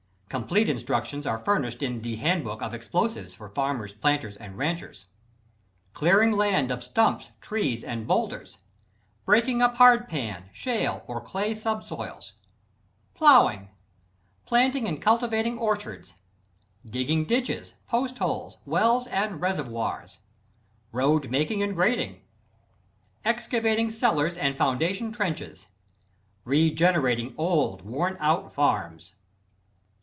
Complete instructions are furnished in the "Handbook of Explosives for Farmers, Planters and Ranchers." =Clearing Land of Stumps, Trees and Boulders,= =Breaking up Hard Pan, Shale, or Clay Subsoils,= =Plowing,= =Planting and Cultivating Orchards,= =Digging Ditches, Post Holes, Wells and Reservoirs,= =Road Making and Grading,= =Excavating Cellars and Foundation Trenches,= =Regenerating Old, Worn out Farms.